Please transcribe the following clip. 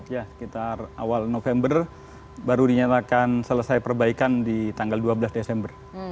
ya sekitar awal november baru dinyatakan selesai perbaikan di tanggal dua belas desember